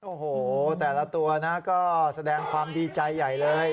โอ้โหแต่ละตัวนะก็แสดงความดีใจใหญ่เลย